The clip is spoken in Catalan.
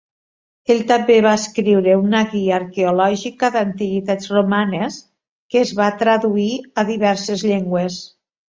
Ell també va escriure una guia arqueològica d'antiguitats romanes, que es va traduir a diverses llengües.